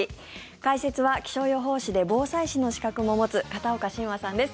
解説は気象予報士で防災士の資格も持つ片岡信和さんです。